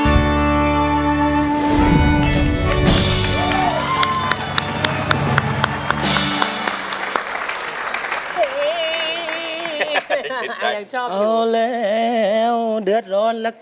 มาร่วมกันโลกที่มีอีกรอบทะเวียง